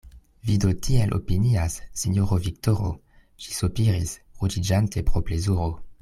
Vi do tiel opinias, sinjoro Viktoro, ŝi sopiris, ruĝiĝante pro plezuro.